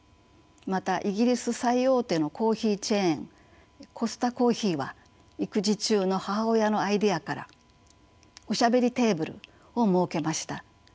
またイギリス最大手のコーヒーチェーンコスタコーヒーは育児中の母親のアイデアからおしゃべりテーブルを設けました。